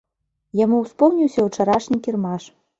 Яму ўспомніўся ўчарашні кірмаш.